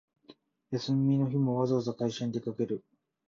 休みの日もわざわざ会社に出かける